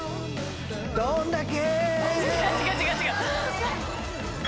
どんだけ！